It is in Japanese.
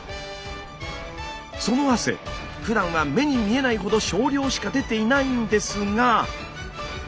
その汗ふだんは目に見えないほど少量しか出ていないんですが。